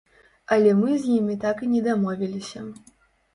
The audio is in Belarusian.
Але мы з імі так і не дамовіліся.